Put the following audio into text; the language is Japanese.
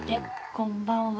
こんばんは。